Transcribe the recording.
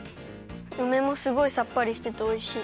うめもすごいさっぱりしてておいしい。